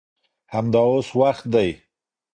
همدا اوس وخت دی.